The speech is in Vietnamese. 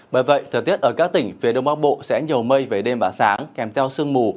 bởi vậy thời tiết ở các tỉnh phía đông bắc bộ sẽ nhiều mây về đêm và sáng kèm theo sương mù